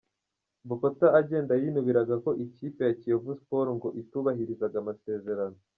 Bokota agenda yinubiraga ko ikipe ya Kiyovu Sport ngo itubahirizaga amasezerano.